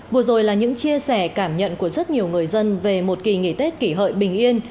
vừa rồi là những chia sẻ cảm nhận của rất nhiều người dân về một kỳ nghỉ tết kỷ hợi bình yên